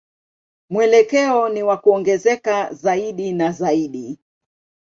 Mwelekeo ni wa kuongezeka zaidi na zaidi.